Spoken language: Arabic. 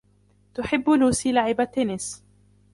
تحب لوسي لعب التنس.